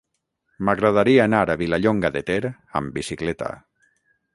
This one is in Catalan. M'agradaria anar a Vilallonga de Ter amb bicicleta.